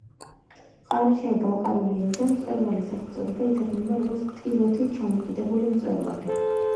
ყარაჩაი-ბალყარული ენიდან მწვერვალის სახელწოდება ითარგმნება როგორც „ტილოთი ჩამოკიდებული მწვერვალი“.